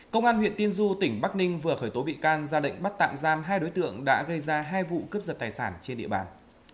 công an huyện tiên du tỉnh bắc ninh vừa khởi tố bị can ra lệnh bắt tạm giam hai đối tượng đã gây ra hai vụ cướp giật tài sản trên địa bàn